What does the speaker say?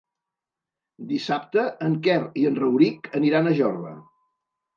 Dissabte en Quer i en Rauric aniran a Jorba.